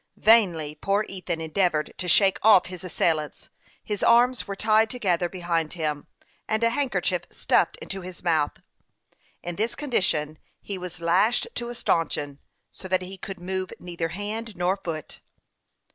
Vainly poor Ethan endeavored to shake off his assailants ; his arms were tied together behind him, and a handkerchief stuffed into his mouth. In this condition he was lashed to a stanchion, so that he could move neither hand nor foot.